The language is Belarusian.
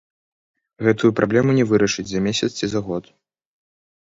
Гэтую праблему не вырашыць за месяц ці за год.